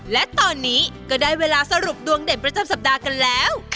และตอนนี้ก็ได้เวลาสรุปดวงเด่นประจำสัปดาห์กันแล้ว